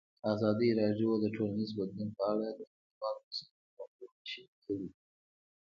ازادي راډیو د ټولنیز بدلون په اړه د نړیوالو رسنیو راپورونه شریک کړي.